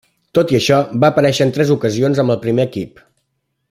Tot i això, va aparèixer en tres ocasions amb el primer equip.